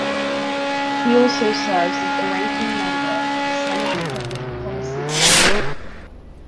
He also serves as the ranking member of the Senate Public Policy Committee.